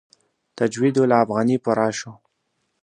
تجوید الافغاني پوره شو.